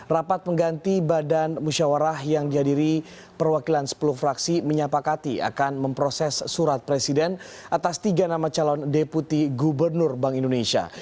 rapat pengganti badan musyawarah yang dihadiri perwakilan sepuluh fraksi menyapakati akan memproses surat presiden atas tiga nama calon deputi gubernur bank indonesia